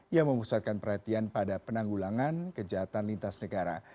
yang memusatkan perhatian pada penanggulangan kejahatan lintas negara